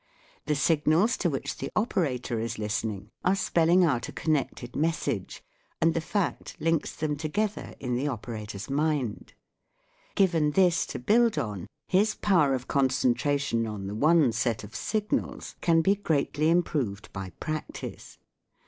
The signals to which the operator is listening are spelling out a connected message, and the fact links them to gether in the operator's mind. Given this to build on, his power of concentration on the one set of signals can be greatly improved by practice.